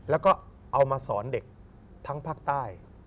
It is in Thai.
แล้วก็เอามาสอนเด็กทั้งภาคใต้